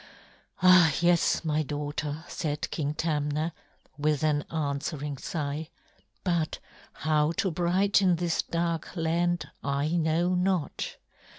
"Ah, yes, my daughter," said King Tamna, with an answering sigh, "but how to brighten this dark land I know not.